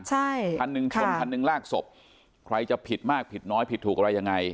๑๐๐๐ชน๑๐๐๐ลากศพใครจะผิดมากผิดน้อยผิดถูกอะไรยังไง